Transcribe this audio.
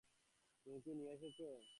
তুমি কী নিয়ে আসছো?